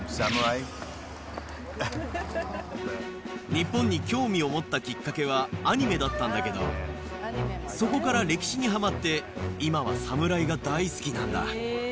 日本に興味を持ったきっかけはアニメだったんだけど、そこから歴史にはまって、今は侍が大好きなんだ。